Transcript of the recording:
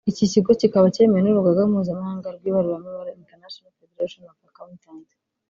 Iki kigo kikaba cyemewe n’Urugaga mpuzamahanga rw’ibaruramibare (International Federation of Accountant)